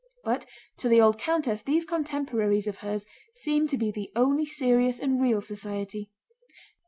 But to the old countess those contemporaries of hers seemed to be the only serious and real society.